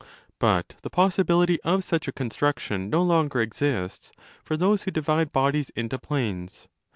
But the possibility of such a construction no longer exists for those who divide bodies into planes.